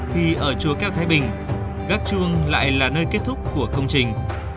thì ở chùa keo thái bình gác chuông lại là nơi kết thúc của công trình